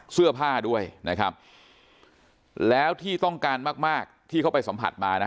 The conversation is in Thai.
เสื้อผ้าด้วยนะครับแล้วที่ต้องการมากมากที่เขาไปสัมผัสมานะ